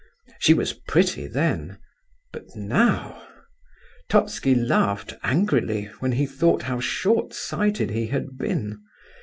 She was pretty then... but now!... Totski laughed angrily when he thought how short sighted he had been.